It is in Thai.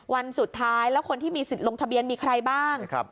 วันสุดท้ายแล้วคนที่มีสิทธิ์ลงทะเบียนมีใครบ้าง